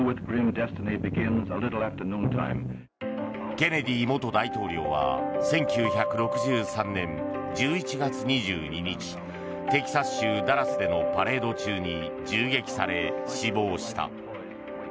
ケネディ元大統領は１９６３年１１月２２日テキサス州ダラスでのパレード中に銃撃され死亡した。